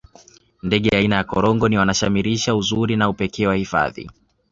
ndege aina ya korongo ni wanashamirisha uzuri na upekee wa hifadhi